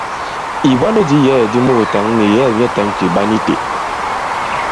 Ìbwalo di yɛ̌ɛ̀ di muùtǎŋ nì yɛ̌ɛ̀ nyɛtām kì ɓa ni itē.